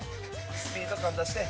スピード感出して。